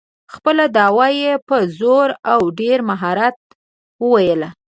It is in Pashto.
خپله دعوه یې په زور او ډېر مهارت وویله.